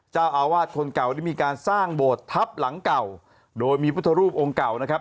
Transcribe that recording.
เจ้าอาวาสคนเก่าได้มีการสร้างโบสถ์ทัพหลังเก่าโดยมีพุทธรูปองค์เก่านะครับ